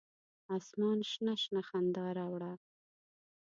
اسمان شنه، شنه خندا راوړه